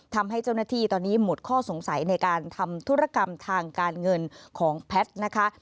ทำให้เจ้าหน้าที่ตอนนี้หมดข้อสงสัยในการทำธุรกรรมทางการเงินของแพทย์นะคะ